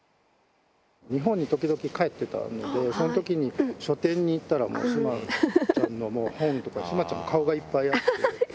日本に時々帰ってたので、そのときに、書店に行ったら、もう志麻ちゃんの本とか、志麻ちゃんの顔がいっぱいあって。